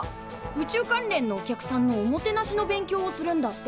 宇宙関連のお客さんのおもてなしの勉強をするんだって。